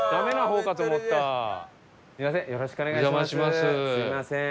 すみません。